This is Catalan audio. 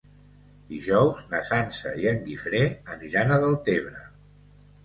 Dijous na Sança i en Guifré aniran a Deltebre.